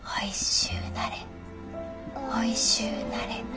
おいしゅうなれ。